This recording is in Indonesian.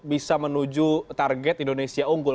bisa menuju target indonesia unggul